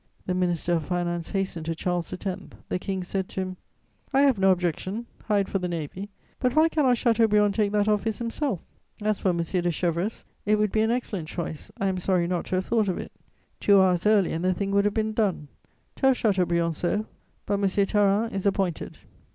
The Minister of Finance hastened to Charles X.; the King said to him: "I have no objection: Hyde for the Navy; but why cannot Chateaubriand take that office himself? As for M. de Chéverus, it would be an excellent choice; I am sorry not to have thought of it; two hours earlier, and the thing would have been done: tell Chateaubriand so; but M. Tharin is appointed."